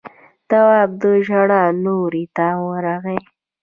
تواب د ژړا لورې ته ورغی.